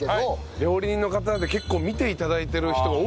料理人の方で結構見て頂いてる人が多いんですよね